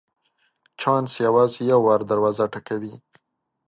چانس یوازي یو وار دروازه ټکوي .